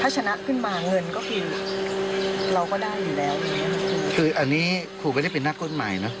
ถ้าชนะขึ้นมาเงินก็คือเราก็ได้อยู่แล้วคืออันนี้ครูไม่ได้เป็นนักกฎหมายนะ